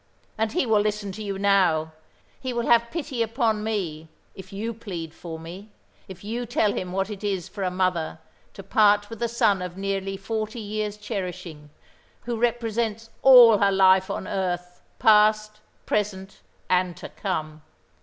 And he will listen to you now, he will have pity upon me, if you plead for me, if you tell him what it is for a mother to part with the son of nearly forty years' cherishing, who represents all her life on earth, past, present, and to come.